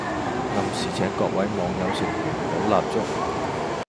暗示請各位網友食元寶蠟燭